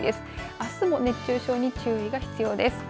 あすも熱中症に注意が必要です。